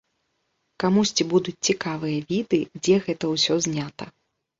Камусьці будуць цікавыя віды, дзе гэта ўсё знята.